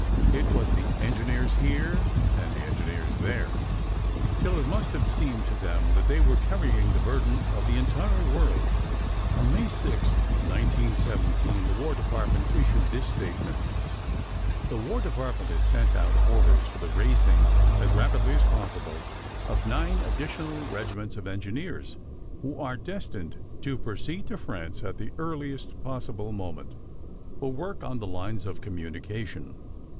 It was "the engineers here" and "the engineers there" till it must have seemed to them that they were carrying the burden of the entire world. On May 6, 1917, the War Department issued this statement: "The War Department has sent out orders for the raising, as rapidly as possible, of nine additional regiments of engineers which are destined to proceed to France at the earliest possible moment, for work on the lines of communication....